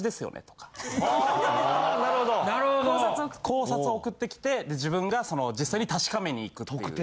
考察を送ってきて自分が実際に確かめに行くという。